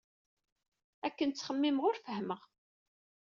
Akken ttxemmimeɣ i ur fehhmeɣ.